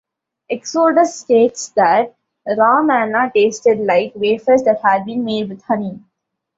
Exodus states that raw manna tasted like wafers that had been made with honey.